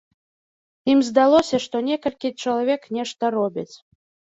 Ім здалося, што некалькі чалавек нешта робяць.